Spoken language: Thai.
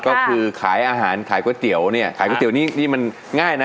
ก็คือขายอาหารขายก๋วยเตี๋ยวเนี่ยขายก๋วนี่นี่มันง่ายนะ